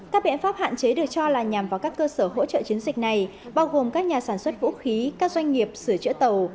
các biện pháp hạn chế được cho là nhằm vào các cơ sở hỗ trợ chiến dịch này bao gồm các nhà sản xuất vũ khí các doanh nghiệp sửa chữa tàu